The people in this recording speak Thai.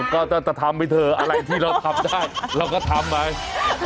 ก็จะทำไปเถอะอะไรที่เราทำได้เราก็ทำไป